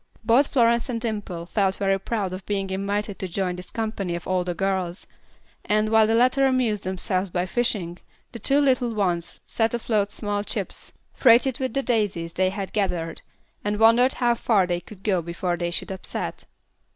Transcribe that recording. Both Florence and Dimple felt very proud of being invited to join this company of older girls; and, while the latter amused themselves by fishing, the two little ones set afloat small chips, freighted with the daisies they had gathered, and wondered how far they could go before they should upset.